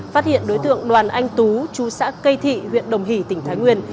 phát hiện đối tượng đoàn anh tú chú xã cây thị huyện đồng hỷ tỉnh thái nguyên